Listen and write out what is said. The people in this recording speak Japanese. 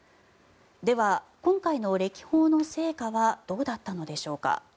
では今回の歴訪の成果はどうだったのでしょうか。